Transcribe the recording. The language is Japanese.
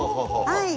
はい。